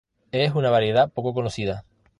Es una variedad poco conocida.